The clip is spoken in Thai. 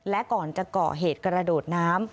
และก่อนจะเกาะเหตุกระโดดน้ำ